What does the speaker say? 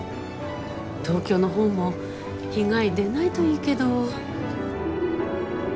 東京の方も被害出ないといいけど。